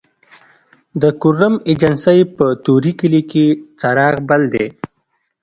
د کرم ایجنسۍ په طوري کلي کې څراغ بل دی